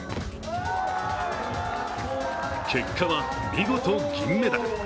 結果は見事銀メダル。